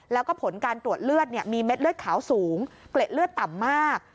แล้วก็ผลการตรวจเลือดมีเม็ดเลือดขาวสูงเกล็ดเลือดต่ำมาก